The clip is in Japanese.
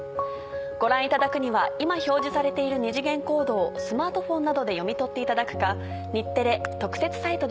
ご覧いただくには今表示されている二次元コードをスマートフォンなどで読み取っていただくか。